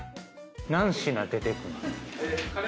何品出てくんの？